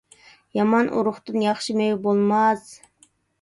يامان ئۇرۇقتىن ياخشى مېۋە بولماس.